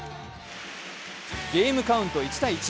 ゲームカウント１−１。